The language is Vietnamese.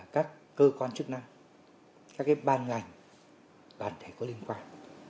các cơ quan chức năng các ban ngành đoàn thể có liên quan